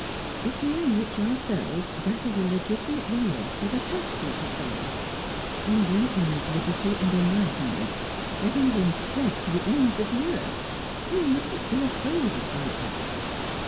If we enrich ourselves, that is a legitimate reward for the task we perform. England means liberty and enlightenment; let England spread to the ends of the earth! We mustn't be afraid of greatness!